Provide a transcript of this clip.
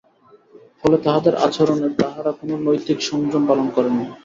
ফলে তাঁহাদের আচরণে তাঁহারা কোন নৈতিক সংযম পালন করেন না।